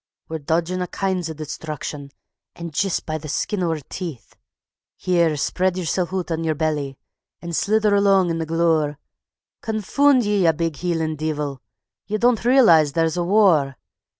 We're dodgin' a' kinds o' destruction, an' jist by the skin o' oor teeth. Here, spread yersel oot on yer belly, and slither along in the glaur; Confoond ye, ye big Hielan' deevil! Ye don't realize there's a war.